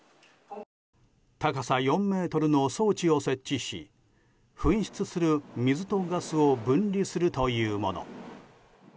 高さ４ｍの装置を設置し噴出する水とガスを分離するというもの。